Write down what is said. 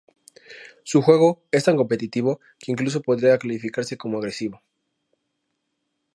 Su juego es tan competitivo que incluso podría calificarse como agresivo.